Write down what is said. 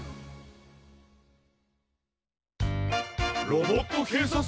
ロボットけいさつ